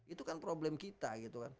itu kan problem kita gitu kan